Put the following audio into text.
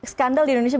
skandal di indonesia